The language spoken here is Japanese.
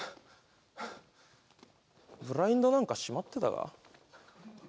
ブラインドなんか閉まってたか？